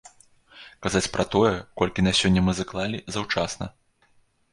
Казаць пра тое, колькі на сёння мы заклалі, заўчасна.